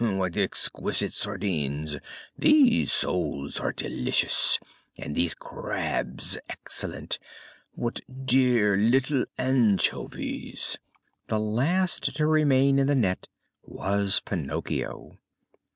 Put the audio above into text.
"What exquisite sardines!" "These soles are delicious!" "And these crabs excellent!" "What dear little anchovies!" The last to remain in the net was Pinocchio.